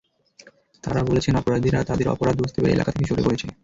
তাঁরা বলেছেন, অপরাধীরা তাদের অপরাধ বুঝতে পেরে এলাকা থেকে সরে পড়েছে।